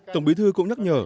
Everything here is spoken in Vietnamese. tổng bí thư cũng nói